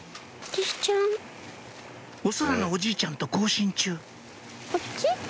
お空のおじいちゃんと交信中